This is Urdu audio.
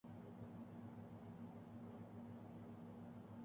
زمانہ جاہلیت سے معزز چلا آتا تھا، فوج کی سپہ